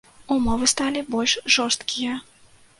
Умовы сталі больш жорсткія.